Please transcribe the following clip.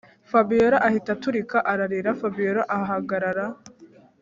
fabiora ahita aturika ararira, fabiora ahagarara